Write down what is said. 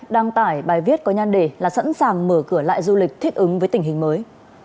đăng tải bài viết có nhan đề là sẵn sàng mở cửa lại du lịch thích ứng với tình hình mới